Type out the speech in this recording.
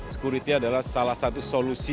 security adalah salah satu solusi